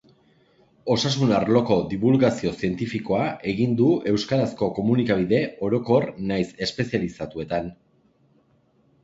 Osasun-arloko dibulgazio zientifikoa egin du euskarazko komunikabide orokor nahiz espezializatuetan.